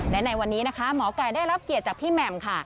และในวันนี้นะคะหมอไก่ได้รับเกียรติจากพี่แหม่มค่ะ